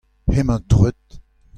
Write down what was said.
hemañ dreut.